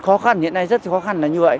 khó khăn hiện nay rất khó khăn là như vậy